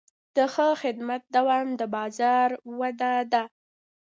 د ښه خدمت دوام د بازار وده ده.